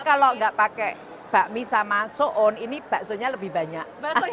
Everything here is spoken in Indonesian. karena kalau gak pakai bakmi sama so'on ini bakso nya lebih banyak